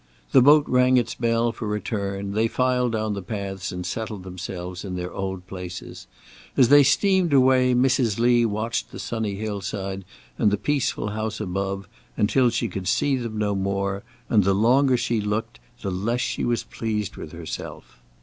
The boat rang its bell for return, they filed down the paths and settled themselves in their old places. As they steamed away, Mrs. Lee watched the sunny hill side and the peaceful house above, until she could see them no more, and the longer she looked, the less she was pleased with herself.